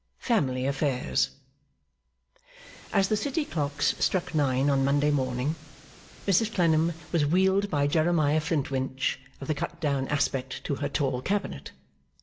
Family Affairs As the city clocks struck nine on Monday morning, Mrs Clennam was wheeled by Jeremiah Flintwinch of the cut down aspect to her tall cabinet.